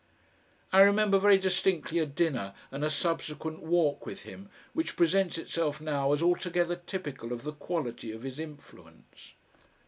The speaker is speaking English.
I remember very distinctly a dinner and a subsequent walk with him which presents itself now as altogether typical of the quality of his influence.